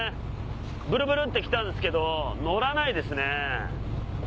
ブルブル！って来たんですけど乗らないですね。